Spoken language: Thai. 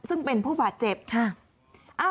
ซึ่งเป็นผู้บาดเจ็บค่ะ